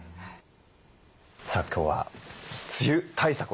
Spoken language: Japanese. さあ今日は梅雨対策をですね